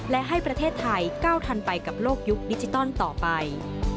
และให้ประเทศไทยก้าวทันไปกับโลกยุคดิจิตอลต่อไป